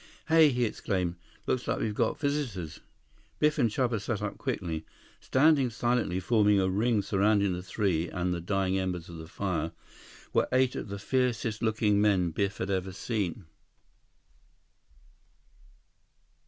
"Hey!" he exclaimed. "Looks like we've got visitors." Biff and Chuba sat up quickly. Standing silently, forming a ring surrounding the three and the dying embers of the fire, were eight of the fiercest looking men Biff had ever seen.